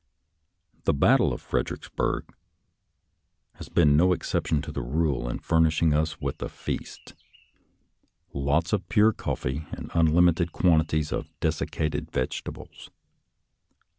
The battle of Fredericksburg has been no ex ception to the rule in furnishing us with a feast — lots of pure coffee and unlimited quantities of desiccated vegetables.